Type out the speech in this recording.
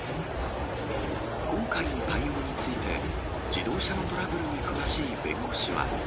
今回の対応について、自動車のトラブルに詳しい弁護士は。